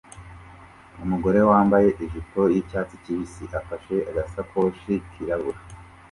Umugore wambaye ijipo yicyatsi kibisi afashe agasakoshi kirabura